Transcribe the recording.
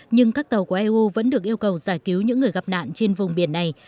nhưng các tàu của eu vẫn được yêu cầu giải cứu những người gặp nạn trên vùng biển này